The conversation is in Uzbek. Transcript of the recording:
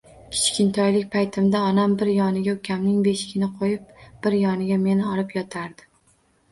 Kichkintoylik paytimda onam bir yoniga ukamning beshigini qo‘yib, bir yonida meni olib yotardi.